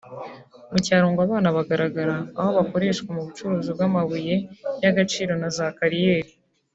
Mu cyaro ngo abana bagaragara aho bakoreshwa mu bucukuzi bw’amabuye y’agaciro na za kariyeri